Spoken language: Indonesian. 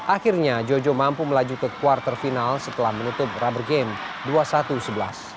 akhirnya jojo mampu melaju ke kuarter final setelah menutup rubber game dua satu sebelas